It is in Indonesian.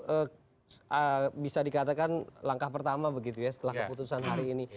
eee bisa dikatakan langkah pertama begitu ya setelah keputusan hari ini